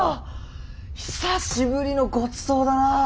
久しぶりのごちそうだなあ！